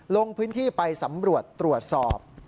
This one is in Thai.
ลงพื้นที่ไปสำรวจตรวจสอบ